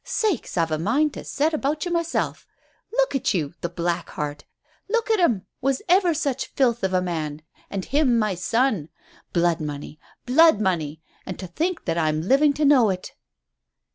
Sakes! I've a mind to set about you myself. Look at him, the black heart! Look at him all! Was ever such filth of a man? and him my son. Blood money! Blood money! And to think that I'm living to know it."